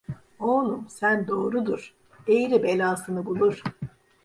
Oğlum sen doğru dur, eğri belâsını bulur.